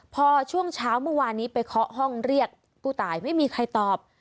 พอช่วงเช้าเมื่อวานนี้ไปเคาะห้องเรียกผู้ตายไม่มีใครตอบ